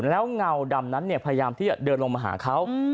แล้วเงาดำนั้นพยายามที่จะเดินลงมาหาเขา